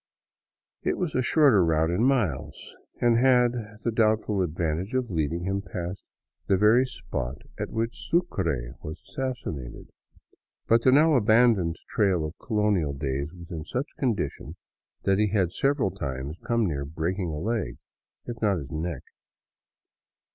It was a shorter route in miles, and had the doubtful advantage of leading him past the very spot at which Sucre was assassinated ; but the now abandoned trail of colonial days was in such a condition that he had several times come near break ing a leg, if not his neck.